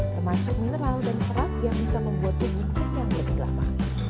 termasuk mineral dan serap yang bisa membuat urapnya lebih lama